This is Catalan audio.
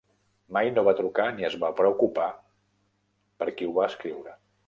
Mai no va trucar ni es va preocupar per qui ho va escriure.